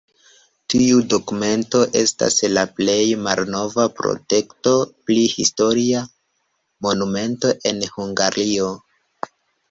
Tiu dokumento estas la plej malnova protekto pri historia monumento en Hungario.